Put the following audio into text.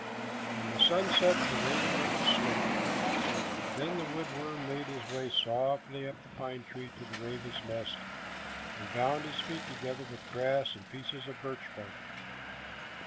When the sun set, the raven went to sleep. Then the wood worm made his way softly up the pine tree to the raven's nest, and bound his feet together with grass and pieces of birch bark.